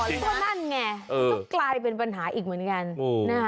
เพราะนั่นไงต้องกลายเป็นปัญหาอีกเหมือนกัน